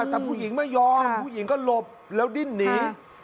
แต่ผู้หญิงไม่ยอมผู้หญิงก็หลบแล้วดิ้นหนี